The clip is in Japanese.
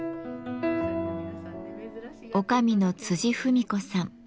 女将の芙美子さん。